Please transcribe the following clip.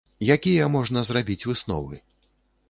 Якія можна зрабіць высновы?